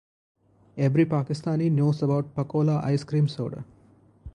Every Pakistani knows about Pakola Ice-Cream Soda.